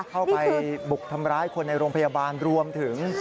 เข้าไปบุกทำร้ายคนในโรงพยาบาลรวมถึง